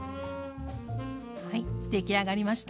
はい出来上がりました。